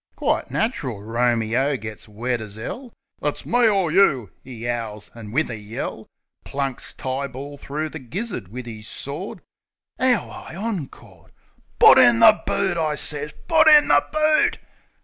Quite natchril, Romeo gits wet as 'ell. "It's me or you!" 'e 'owls, an' wiv a yell, Plunks Tyball through the gizzard wiv 'is sword, 'Ow I ongcored! "Put in the boot !" I sez. "Put in the boot